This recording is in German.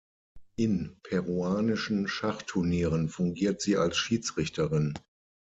In peruanischen Schachturnieren fungiert sie als Schiedsrichterin.